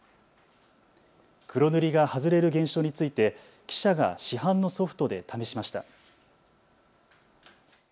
黒塗りが外れる現象について記者が市販のソフトで試しました。